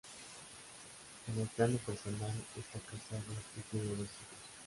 En el plano personal está casado y tiene dos hijos.